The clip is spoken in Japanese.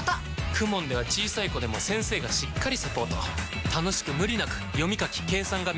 ＫＵＭＯＮ では小さい子でも先生がしっかりサポート楽しく無理なく読み書き計算が身につきます！